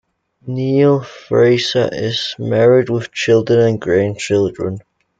Neale Fraser is married with children and grandchildren.